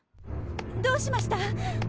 どうしました？